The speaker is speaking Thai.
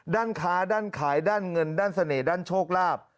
ด้านค้าด้านขายด้านเงินด้านเสน่ห์ด้านโชคลาภ